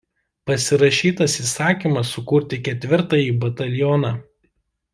Pasirašytas įsakymas sukurti ketvirtąjį batalioną.